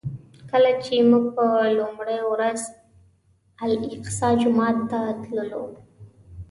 کله چې موږ په لومړي ورځ الاقصی جومات ته تللو.